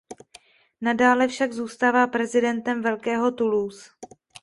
Nadále však zůstává prezidentem "Velkého Toulouse".